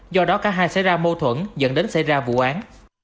do đó cả hai xảy ra mâu thuẫn dẫn đến xảy ra vụ án